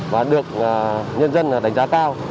và được nhân dân đánh giá cao